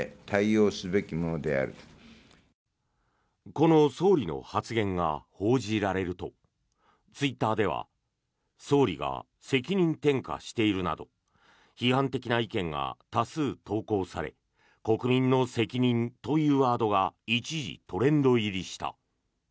この総理の発言が報じられるとツイッターでは総理が責任転嫁しているなど批判的な意見が多数、投稿され国民の責任というワードが一時トレンド入りした。